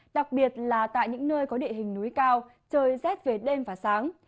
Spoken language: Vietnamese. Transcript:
đặc biệt là tại những nơi có địa hình núi cao trời rét về đêm và sáng